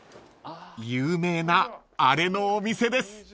［有名なあれのお店です］